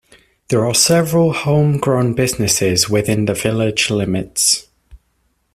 There are several "home grown" businesses within the village limits.